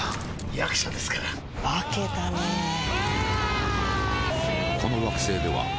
役者ですから化けたねうわーーー！